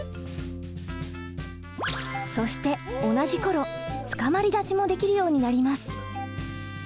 そして同じ頃「つかまり立ち」もできるようになります。